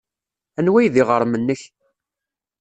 Anwa ay d iɣrem-nnek?